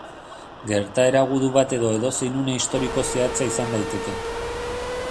Gertaera gudu bat edo edozein une historiko zehatza izan daiteke.